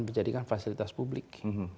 menjadikan fasilitas publik